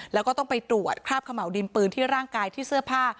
แล้วก็ต้องไปตรวจคราบขม่าวดินปืนที่ร่างกายที่เสื้อผ้า